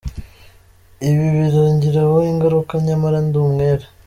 Ibi birangiraho ingaruka nyamara ndi umwere.